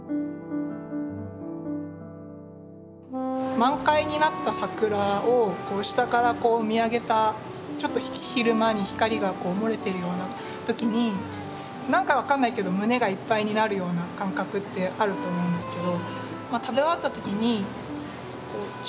満開になった桜を下から見上げたちょっと昼間に光がもれているような時に何か分かんないけど胸がいっぱいになるような感覚ってあると思うんですけど。